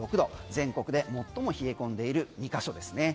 全国で最も冷え込んでいる２か所ですね。